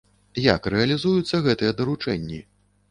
Як рэалізуюцца гэтыя даручэнні?